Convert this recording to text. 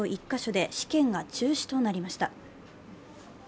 １カ所で試験が中止となりました。